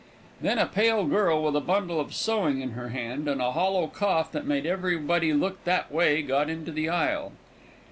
Then a pale girl, with a bundle of sewing in her hand, and a hollow cough that made everybody look that way, got into the aisle.